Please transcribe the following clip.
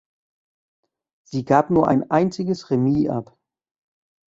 Sie gab nur ein einziges Remis ab.